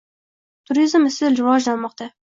Turizm izchil rivojlanmoqda